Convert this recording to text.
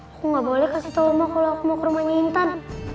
aku gak boleh kasih tau oma kalo aku mau ke rumahnya intan